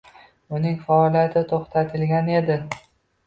Uning faoliyati toʻxtatilgan edi